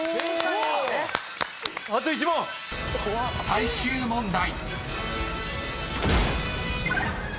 ［最終問題］